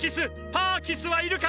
パーキスはいるか